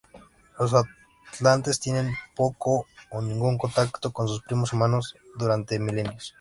Los atlantes tienen poco o ningún contacto con sus primos humanos durante milenios.